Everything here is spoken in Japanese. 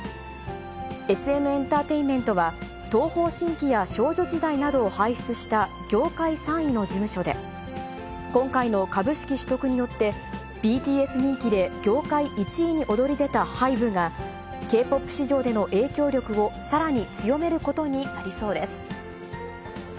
ＳＭエンタテインメントは、東方神起や少女時代などを輩出した、業界３位の事務所で、今回の株式取得によって、ＢＴＳ人気で業界１位に躍り出たハイブが、Ｋ−ＰＯＰ市場での影響力を、さらに強めることになりそうです。